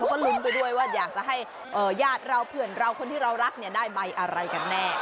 แล้วก็ลุ้นไปด้วยว่าอยากจะให้ญาติเราเพื่อนเราคนที่เรารักเนี่ยได้ใบอะไรกันแน่